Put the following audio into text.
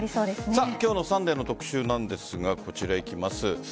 今日の「サンデー」の特集なんですが、こちらいきます。